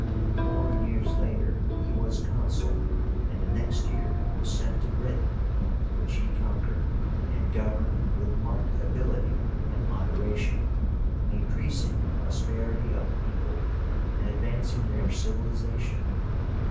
Four years later he was Consul, and the next year was sent to Britain, which he conquered, and governed with marked ability and moderation, increasing the prosperity of the people and advancing their civilization.